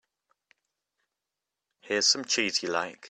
Here's some cheese you like.